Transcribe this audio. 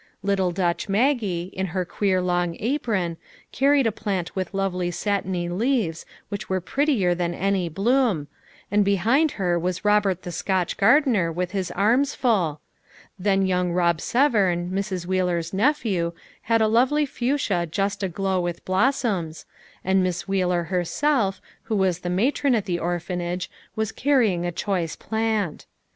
Little Dutch Maggie, in her queer long apron, carried a plant with lovely satiny leaves which were prettier than any bloom, and behind her was Robert the Scotch gardener with his arms full ; then young Rob Severn, Miss Wheeler's nephew, had a lovely fuchsia just aglow with blossoms, and Miss Wheeler herself, who was the matron at the Or phanage, was carrying a choice plant.